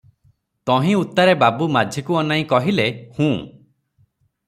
ତହିଁ ଉତ୍ତାରେ ବାବୁ ମାଝିକୁ ଅନାଇ କହିଲେ, "ହୁଁ -"